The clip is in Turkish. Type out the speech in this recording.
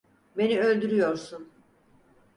Beni öldürüyorsun!